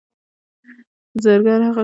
زرګر هغه کس دی چې له زرو سینګاري وسایل جوړوي